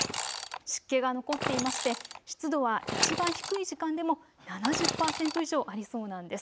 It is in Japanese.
湿気が残っていまして湿度はいちばん低い時間でも７０％以上ありそうなんです。